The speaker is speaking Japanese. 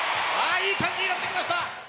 いい感じになってきました！